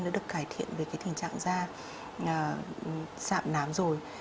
đã được cải thiện về tình trạng da sạm nám rồi